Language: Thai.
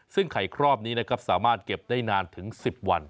ซึ่งไข่ครอบนี้นะครับสามารถเก็บได้นานถึง๑๐วัน